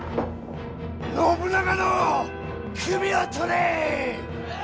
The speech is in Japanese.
信長の首を取れ！